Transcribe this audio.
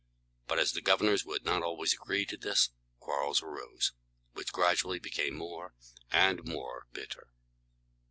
But as the governors would not always agree to this, quarrels arose, which gradually became more and more bitter.